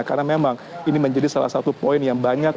karena memang ini menjalidkan salah satu poin yang banyak